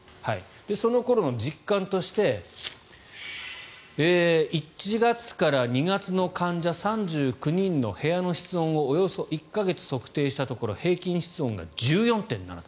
その頃の実感として１月から２月の患者３９人の部屋の室温をおよそ１か月測定したところ平均室温が１４．７度。